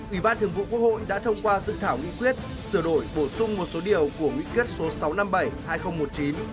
ủy ban thường vụ quốc hội đã thông qua sự thảo nghị quyết sửa đổi bổ sung một số điều của nghị quyết số sáu trăm năm mươi bảy hai nghìn một mươi chín